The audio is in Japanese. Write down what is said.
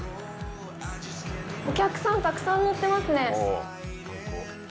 お客さん、たくさん乗ってますね。